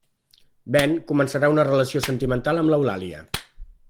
Ben començarà una relació sentimental amb l'Eulàlia.